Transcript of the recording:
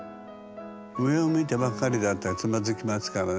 上を向いてばっかりだったらつまずきますからね。